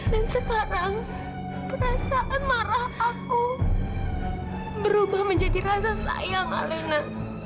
dan sekarang perasaan marah aku berubah menjadi rasa sayang alena